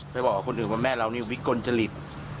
ไปบอกกับคนอื่นว่าแม่เรานี่วิกลจริต